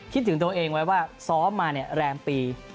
คิดถึงตัวเองไว้ว่าซ้อมมาแรมปี